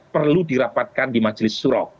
perlu dirapatkan di majelis surok